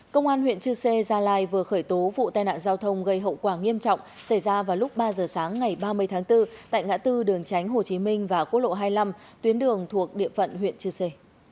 công an huyện chư sê gia lai vừa khởi tố vụ tai nạn giao thông gây hậu quả nghiêm trọng xảy ra vào lúc ba giờ sáng ngày ba mươi tháng bốn tại ngã tư đường tránh hồ chí minh và quốc lộ hai mươi năm tuyến đường thuộc địa phận huyện chư sê